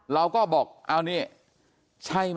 เราก็บอกใช่ไหม